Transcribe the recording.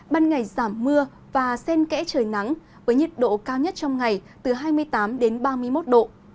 ban ngày giảm mưa và sen kẽ trời nắng với nhiệt độ cao nhất trong ngày từ hai mươi tám đến ba mươi một độ